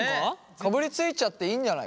かぶりついちゃっていいんじゃない？